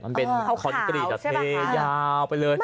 มันเป็นคอนกรีตเทยาวไปเลย